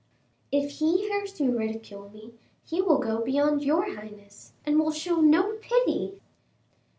"If he hears you ridicule me, he will go beyond your highness, and will show no pity."